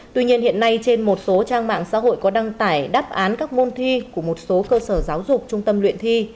tuy nhiên hiện nay trên một số trang mạng xã hội có đăng tải đáp án các môn thi của một số cơ sở giáo dục trung tâm luyện thi